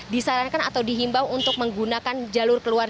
disarankan atau dihimbau untuk menggunakan jalur keluar